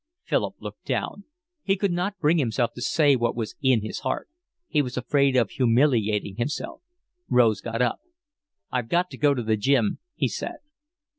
Philip looked down. He could not bring himself to say what was in his heart. He was afraid of humiliating himself. Rose got up. "I've got to go to the Gym," he said.